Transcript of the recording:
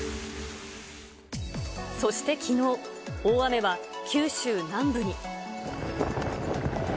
そしてきのう、大雨は九州南部に。